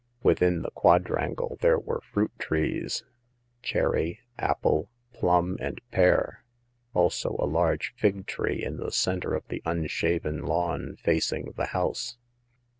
Within the quadrangle there were fruit trees — cherry, apple, plum, and pear ; also a large fig tree in the center of the unshaven lawn facing the house.